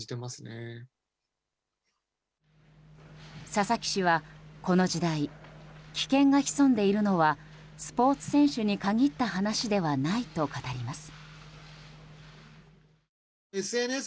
佐々木氏はこの時代危険が潜んでいるのはスポーツ選手に限った話ではないと語ります。